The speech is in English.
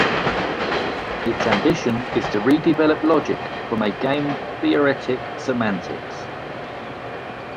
Its ambition is to redevelop logic from a game-theoretic semantics.